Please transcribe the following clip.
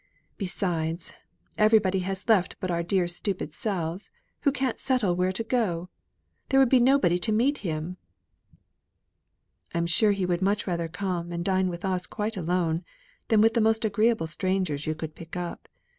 Besides, everybody has left but our dear stupid selves, who can't settle where to go to. There would be nobody to meet him." "I'm sure he would much rather come and dine with us quite alone than with the most agreeable strangers you could pick up.